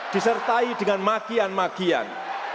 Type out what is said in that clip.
disertai dengan magian magian